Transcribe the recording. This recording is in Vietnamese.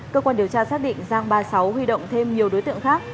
cơ quan điều tra xác định giang ba mươi sáu huy động thêm nhiều đối tượng khác